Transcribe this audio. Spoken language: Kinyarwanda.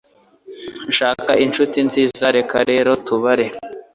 Shaka inshuti nziza Reka rero tubare